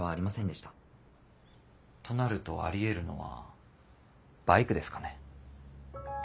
となるとありえるのはバイクですかね。